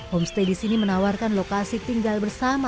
homestay di sini menawarkan lokasi tinggal bersama